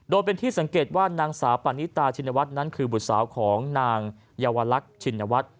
โดยเป็นที่สังเกตว่านางสาวปานิตาชินวัฒน์นั้นคือบุตรสาวของนางเยาวลักษณ์ชินวัฒน์